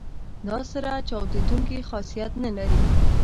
دا سره چاودیدونکي خاصیت نه لري.